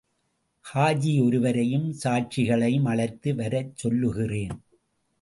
காஜீயொருவரையும் சாட்சிகளையும் அழைத்து வரச் சொல்லுகிறேன்.